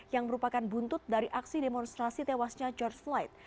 yang merupakan buntut dari aksi demonstrasi tewasnya george flight